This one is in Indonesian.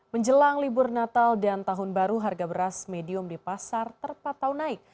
menjelang libur natal dan tahun baru harga beras medium di pasar terpatau naik